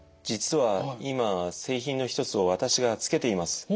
実は今製品の一つを私がつけています。